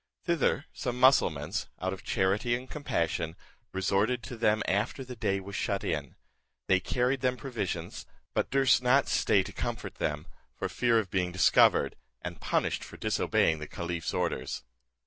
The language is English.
Thither some Mussulmauns, out of charity and compassion, resorted to them after the day was shut in. They carried them provisions, but durst not stay to comfort them, for fear of being discovered, and punished for disobeying the caliph's orders.